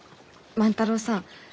万太郎さん。